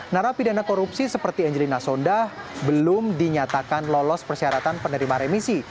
narapidana korupsi seperti angelina sonda belum dinyatakan lolos persyaratan penerima remisi